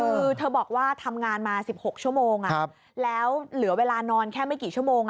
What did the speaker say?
คือเธอบอกว่าทำงานมา๑๖ชั่วโมงแล้วเหลือเวลานอนแค่ไม่กี่ชั่วโมง